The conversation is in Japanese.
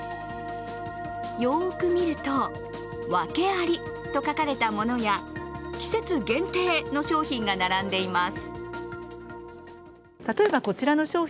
よく見ると、訳ありと書かれたものや季節限定の商品が並んでいます。